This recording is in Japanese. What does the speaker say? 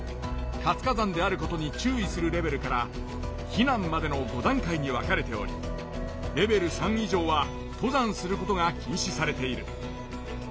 活火山であることに注意するレベルから避難までの５だん階に分かれておりレベル３以上は登山することが禁止されている。